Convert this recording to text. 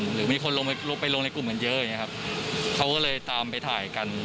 หรือมีคนลงไปลงในกลุ่มกันเยอะอย่างเงี้ครับเขาก็เลยตามไปถ่ายกัน